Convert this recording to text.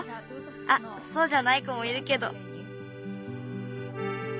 あっそうじゃない子もいるけど。